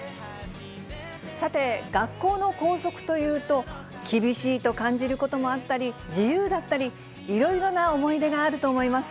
さて、学校の校則というと、厳しいと感じることもあったり、自由だったり、いろいろな思い出があると思います。